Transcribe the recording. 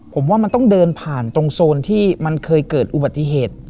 ผมว่ามันต้องเดินผ่านตรงโซนที่มันเคยเกิดอุบัติเหตุ